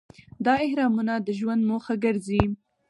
دا اهرامونه د ژوند موخه ګرځي.